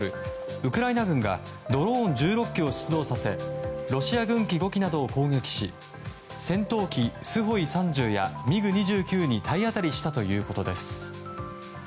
ウクライナ軍がドローン１６機を出動させロシア軍機５機などを攻撃し戦闘機スホイ３０やミグ２９に体当たりしたということです。